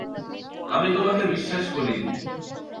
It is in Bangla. আমি তোমাকে বিশ্বাস করিনি!